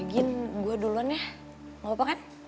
gin gue duluan ya ga apa apa kan